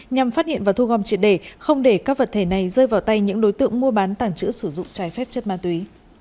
nhằm phát hiện và thu gom triệt đề không để các vật thể này rơi vào tay những đối tượng mua bán tàng trữ sử dụng trái phép chất ma túy